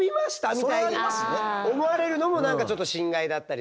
みたいな思われるのも何かちょっと心外だったりするので。